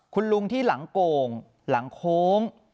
คุณลุงที่หลังโก่งหลังโค้ง